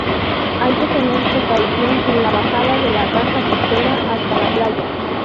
Hay que tener precaución en la bajada de la rasa costera hasta la playa.